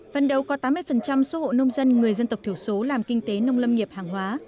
phần đầu có tám mươi số hộ nông dân người dân tộc thiểu số làm kinh tế nông lâm nghiệp hàng hóa